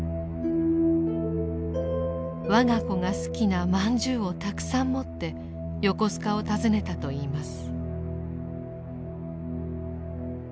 我が子が好きなまんじゅうをたくさん持って横須賀を訪ねたといいます。